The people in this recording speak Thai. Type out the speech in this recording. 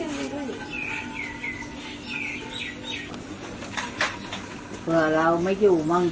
อาวุธแห่งแล้วพอเดินได้ผมว่าเจอบัตรภรรยากุศิษภัณฑ์